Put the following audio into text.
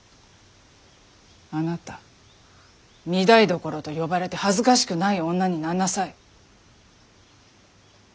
あなた御台所と呼ばれて恥ずかしくない女になんなさい。